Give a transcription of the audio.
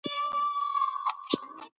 د مور نرمه ژبه ماشوم اراموي.